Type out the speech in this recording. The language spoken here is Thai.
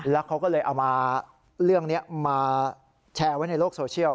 แล้วเขาก็เลยเอามาเรื่องนี้มาแชร์ไว้ในโลกโซเชียล